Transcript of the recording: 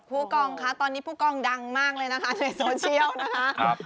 ผู้กองคะตอนนี้ผู้กองดังมากเลยนะคะในโซเชียลนะคะ